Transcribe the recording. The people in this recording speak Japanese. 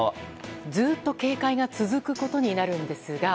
ずっと警戒が続くことになるんですが。